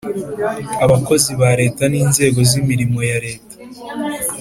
Abakozi ba Leta n Inzego z Imirimo ya Leta